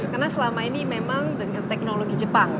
karena selama ini memang dengan teknologi jepang